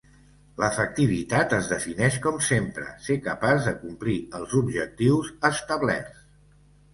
L'efectivitat es defineix com sempre: ser capaç de complir els objectius establerts.